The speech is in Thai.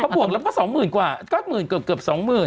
ก็บวกแล้วก็๒๐๐๐๐กว่า๙๐๐๐๐เกือบ๒๐๐๐๐